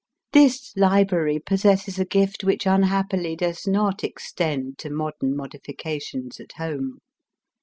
This library possesses a gift which un happily does not extend to modern modifica tions at home.